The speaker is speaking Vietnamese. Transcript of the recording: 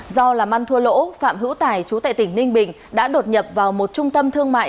do làm ăn thua lỗ phạm hữu tài chú tệ tỉnh ninh bình đã đột nhập vào một trung tâm thương mại